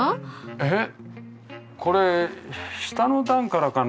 えっこれ下の段からかな？